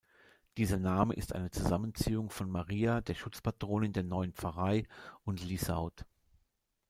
Dieser Name ist eine Zusammenziehung von Maria, der Schutzpatronin der neuen Pfarrei, und Lieshout.